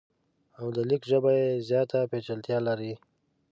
او د لیک ژبه یې زیاته پیچلتیا لري.